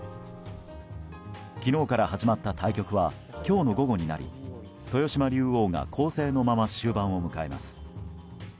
昨日から始まった対局は今日の午後になり豊島竜王が攻勢のまま終盤を迎えます。